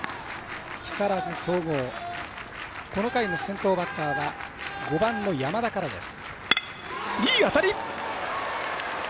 木更津総合、この回の先頭バッターは５番の山田からです。